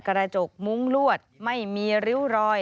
กระจกมุ้งลวดไม่มีริ้วรอย